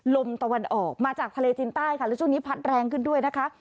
ลมตะวันออกมาจากทะเลจีนใต้ค่ะแล้วช่วงนี้พัดแรงขึ้นด้วยนะคะ